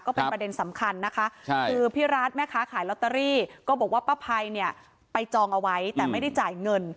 ประเด็นสำคัญนะคะคือพี่รัฐแม่ค้าขายลอตเตอรี่ก็บอกว่าป้าภัยเนี่ยไปจองเอาไว้แต่ไม่ได้จ่ายเงิน